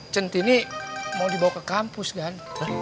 centini mau dibawa ke kampus kan